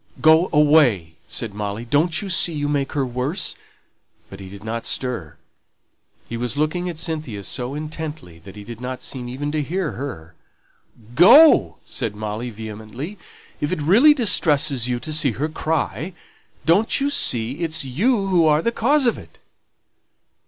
"Go away!" said Molly. "Don't you see you make her worse?" But he did not stir; he was looking at Cynthia so intently that he did not seem even to hear her. "Go," said Molly, vehemently, "if it really distresses you to see her cry. Don't you see, it's you who are the cause of it?"